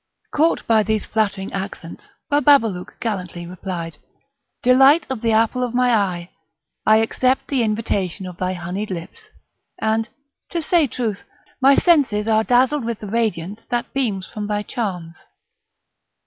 Caught by these flattering accents, Bababalouk gallantly replied: "Delight of the apple of my eye! I accept the invitation of thy honeyed lips; and, to say truth, my senses are dazzled with the radiance that beams from thy charms."